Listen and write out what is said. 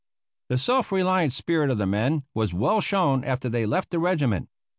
The self reliant spirit of the men was well shown after they left the regiment.